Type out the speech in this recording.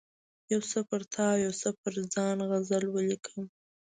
یو څه پر تا او یو څه پر ځان غزل ولیکم.